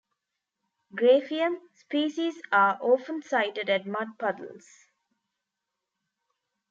"Graphium" species are often sighted at mud puddles.